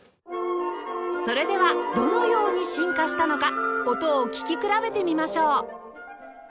それではどのように進化したのか音を聴き比べてみましょう